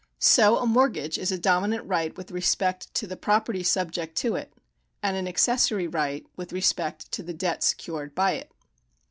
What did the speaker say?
So a mort gage is a dominant right with respect to the property subject to it, and an accessory right with respect to the debt secured by it.